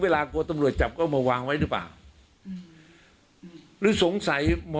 กลัวตำรวจจับก็มาวางไว้หรือเปล่าอืมหรือสงสัยหมอ